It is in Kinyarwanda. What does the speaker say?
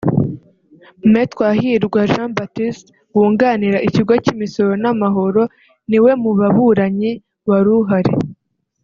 Me Twahirwa Jean Baptiste wunganira Ikigo cy’Imisoro n’Amahoro ni we mu baburanyi wari uhari